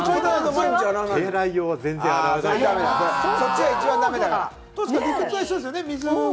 手洗い用は全然洗わないです